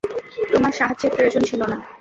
তোমার সাহায্যের প্রয়োজন ছিল না।